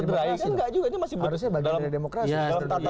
enggak juga ini masih bagian dari demokrasi